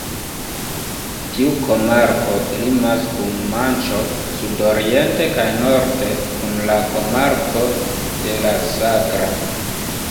Tiu komarko limas kun Manĉo sudoriente kaj norde kun la komarko de la Sagra.